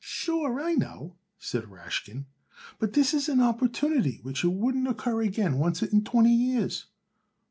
"Sure, I know," said Rashkin; "but this is an opportunity which it wouldn't occur again oncet in twenty years."